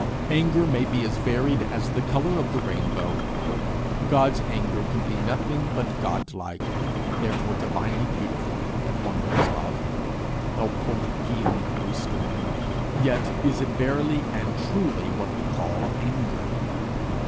Anger may be as varied as the colour of the rainbow. God's anger can be nothing but Godlike, therefore divinely beautiful, at one with his love, helpful, healing, restoring; yet is it verily and truly what we call anger.